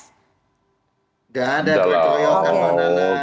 tidak ada keroyokan